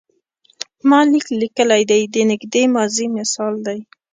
ما لیک لیکلی دی د نږدې ماضي مثال دی.